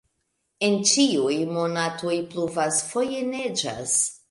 En ĉiuj monatoj pluvas, foje neĝas.